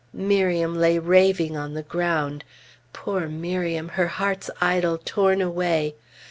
Miriam lay raving on the ground. Poor Miriam! her heart's idol torn away.